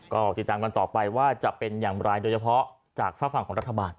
ก็ติดตามกันต่อไปว่าจะเป็นอย่างไรโดยเฉพาะจากฝากฝั่งของรัฐบาล